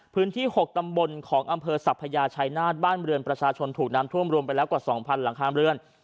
๖ตำบลของอำเภอสัพพยาชายนาฏบ้านเรือนประชาชนถูกน้ำท่วมรวมไปแล้วกว่า๒๐๐หลังคาเรือน